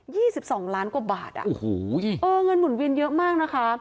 ี่สิบสองล้านกว่าบาทอ่ะโอ้โหเออเงินหมุนเวียนเยอะมากนะคะ